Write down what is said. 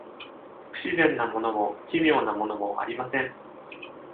不自然なものも奇妙なものもありません。